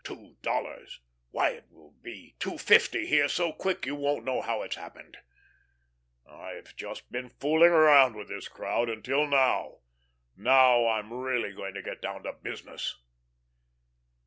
Two dollars! Why, it will be two fifty here so quick you won't know how it's happened. I've just been fooling with this crowd until now. Now, I'm really going to get down to business."